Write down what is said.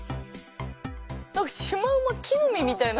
何かシマウマ木の実みたいな。